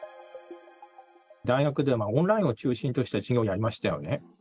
大学ではオンラインを中心とした授業になりましたよね。